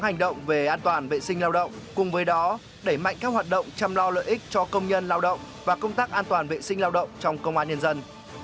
hành động về an toàn vệ sinh lao động cùng với đó đẩy mạnh các hoạt động chăm lo lợi ích cho công nhân lao động và công tác an toàn vệ sinh lao động trong công an nhân dân